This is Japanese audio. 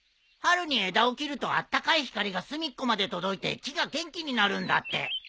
春に枝を切るとあったかい光が隅っこまで届いて木が元気になるんだって。